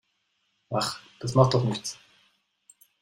Ach, das macht doch nichts.